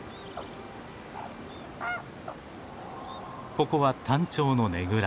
ここはタンチョウのねぐら。